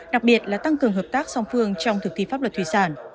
đặc biệt là tăng cường hợp tác song phương trong thực thi pháp luật thủy sản